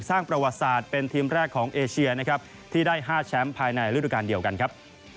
สร้างประวัติศาสตร์เป็นทีมแรกของเอเชียนะครับที่ได้๕แชมป์ภายในฤดูการเดียวกันครับ